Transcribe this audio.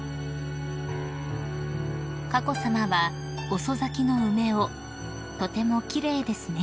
［佳子さまは遅咲きの梅を「とても奇麗ですね」